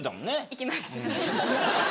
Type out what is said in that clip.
行きます。